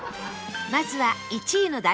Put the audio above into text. まずは１位の大